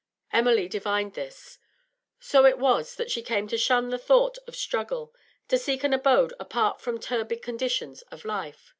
Emily divined this. So it was that she came to shun the thought of struggle, to seek an abode apart from turbid conditions of life.